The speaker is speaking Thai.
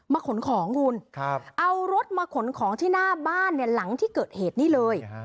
ขนของคุณเอารถมาขนของที่หน้าบ้านเนี่ยหลังที่เกิดเหตุนี่เลย